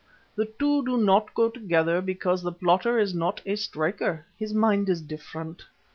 The two do not go together because the plotter is not a striker. His mind is different.